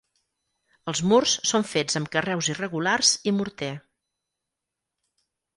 Els murs són fets amb carreus irregulars i morter.